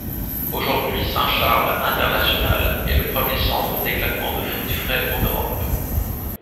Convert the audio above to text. Aujourd’hui Saint-Charles International est le premier centre d’éclatement de fruits frais en Europe.